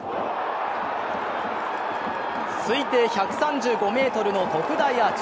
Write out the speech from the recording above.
推定１３５ｍの特大アーチ。